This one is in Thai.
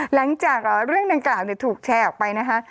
หลังจากเรื่องดังกล่าวถูกแชร์ออกไปนะคะ